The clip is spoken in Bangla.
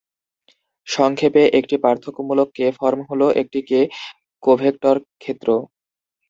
সংক্ষেপে, একটি পার্থক্যমূলক "কে" ফর্ম হল একটি "কে" কোভেক্টর ক্ষেত্র।